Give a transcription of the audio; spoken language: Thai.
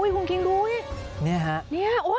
คุณคิงดูนี่ฮะ